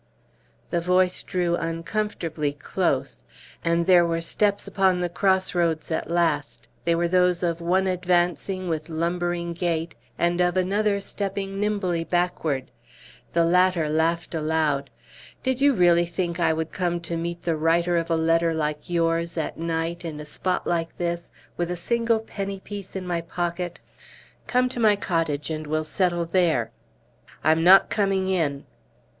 The voice drew uncomfortably close. And there were steps upon the cross roads at last; they were those of one advancing with lumbering gait and of another stepping nimbly backward. The latter laughed aloud. "Did you really think I would come to meet the writer of a letter like yours, at night, in a spot like this, with a single penny piece in my pocket? Come to my cottage, and we'll settle there." "I'm not coming in!"